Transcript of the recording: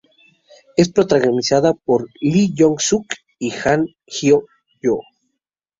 Es protagonizada por Lee Jong Suk y Han Hyo Joo.